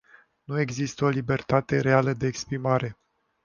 Nu există o libertate reală de exprimare.